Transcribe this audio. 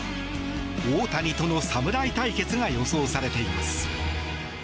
大谷との侍対決が予想されています。